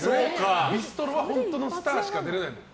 ビストロは本当のスターしか出れないもんね。